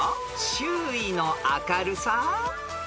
周囲の明るさ？］